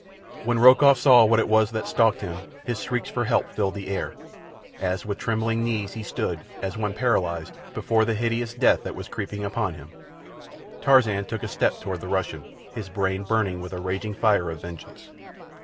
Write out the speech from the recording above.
When Rokoff saw what it was that stalked him his shrieks for help filled the air, as with trembling knees he stood, as one paralyzed, before the hideous death that was creeping upon him. Tarzan took a step toward the Russian, his brain burning with a raging fire of vengeance.